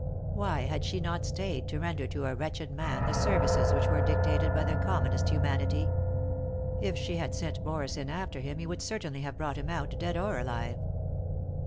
Why had she not stayed to render to a wretched man the services which were dictated by the commonest humanity ? If she had sent Boris in after him, he would certainly have brought him out, dead or alive.